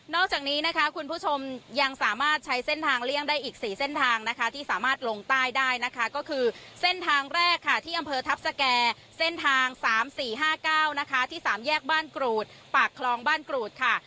จากนี้นะคะคุณผู้ชมยังสามารถใช้เส้นทางเลี่ยงได้อีก๔เส้นทางนะคะที่สามารถลงใต้ได้นะคะก็คือเส้นทางแรกค่ะที่อำเภอทัพสแก่เส้นทาง๓๔๕๙นะคะที่๓แยกบ้านกรูดปากคลองบ้านกรูดค่ะ